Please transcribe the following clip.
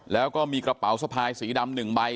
แล้วก็มีกระเป๋าสะพายสีดำ๑ใบ